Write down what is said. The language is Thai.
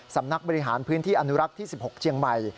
สำนักบริหารพื้นที่อนุรักษ์ที่๑๖เชียงใหม่